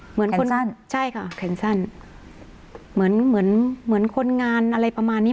เหมือนคนสั้นใช่ค่ะแขนสั้นเหมือนเหมือนเหมือนคนงานอะไรประมาณนี้